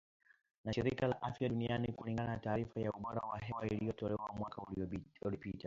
na shirika la afya duniani kulingana na taarifa ya ubora wa hewa iliyotolewa mwaka uliopita